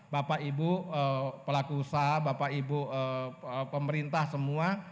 bapak ibu pelaku usaha bapak ibu pemerintah semua